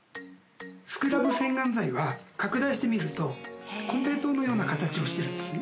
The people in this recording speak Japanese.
スクラブ洗顔剤は拡大して見るとコンペイトーのような形をしてるんですね。